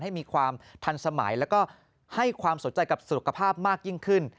ให้มีความทันสมัยแล้วก็ให้ความสนใจกับสุขภาพมากยิ่งขึ้น